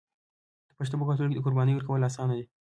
د پښتنو په کلتور کې د قربانۍ ورکول اسانه دي.